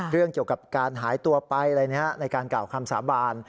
เกี่ยวกับการหายตัวไปอะไรแนี่ยในการกร่าวคำสาบาน